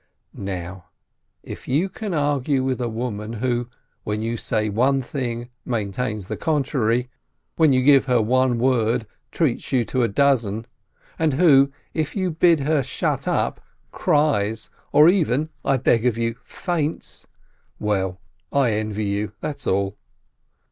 — Now if you can argue with a woman who, when you say one thing, maintains the contrary, when you give her one word, treats you to a dozen, and who, if you bid her shut up, cries, or even, I beg of you, faints — well, I envy you, that's all